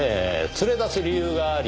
連れ出す理由があり